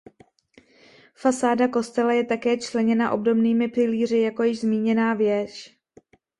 Fasáda kostela je také členěna obdobnými pilíři jako již zmíněná věž.